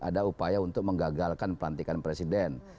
ada upaya untuk menggagalkan pelantikan presiden